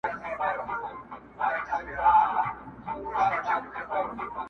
لږ ساړه خوره محتسبه څه دُره دُره ږغېږې,